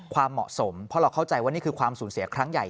ความเหมาะสมเพราะเราเข้าใจว่านี่คือความสูญเสียครั้งใหญ่